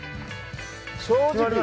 正直。